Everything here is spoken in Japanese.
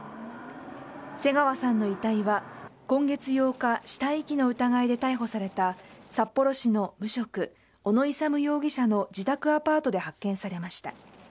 瀬川さんの遺体は今月８日死体遺棄の疑いで逮捕された札幌市の無職小野勇容疑者の自宅アパートで発見されました。